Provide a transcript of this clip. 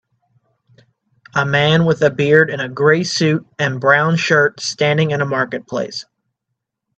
A man with a beard in a gray suit and brown shirt standing in a marketplace.